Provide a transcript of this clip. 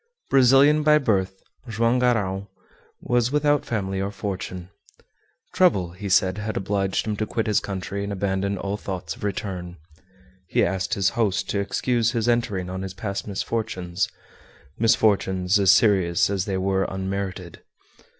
Brazilian by birth, Joam Garral was without family or fortune. Trouble, he said, had obliged him to quit his country and abandon all thoughts of return. He asked his host to excuse his entering on his past misfortunes misfortunes as serious as they were unmerited.